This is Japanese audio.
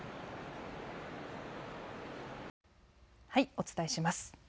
お伝えします。